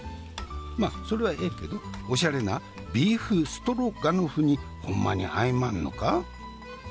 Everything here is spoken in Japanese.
まあそれはええけどおしゃれなビーフストロガノフにホンマに合いまんのか？